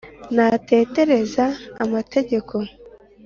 natetereza amategeko